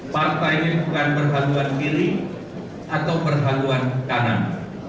partai ini bukan perhaluan kiri atau perhaluan kanan